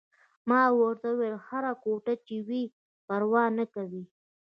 ما ورته وویل: هره کوټه چې وي، پروا نه کوي.